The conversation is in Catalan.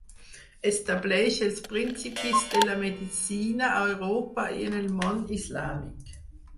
Estableix els principis de la medicina a Europa i en el món islàmic.